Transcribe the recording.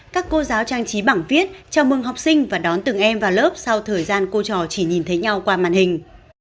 các cô giáo trang trí bảng viết chào mừng học sinh và đón từng em vào lớp sau thời gian cô trò chỉ nhìn thấy nhau qua màn hình